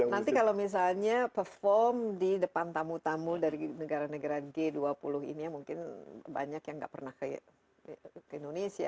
nanti kalau misalnya perform di depan tamu tamu dari negara negara g dua puluh ini ya mungkin banyak yang nggak pernah ke indonesia